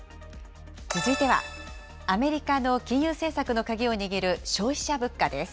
続いては、アメリカの金融政策の鍵を握る、消費者物価です。